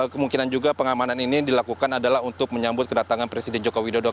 kemungkinan juga pengamanan ini dilakukan adalah untuk menyambut kedatangan presiden joko widodo